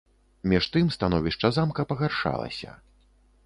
Між тым становішча замка пагаршалася.